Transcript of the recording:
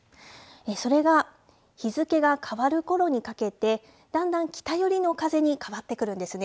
それが日付が変わるころにかけて、だんだん北寄りの風に変わってくるんですね。